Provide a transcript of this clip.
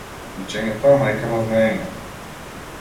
Учењето е мајка на знаењето.